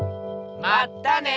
まったね！